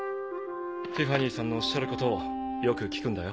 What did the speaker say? ティファニーさんのおっしゃることをよく聞くんだよ。